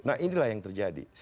nah inilah yang terjadi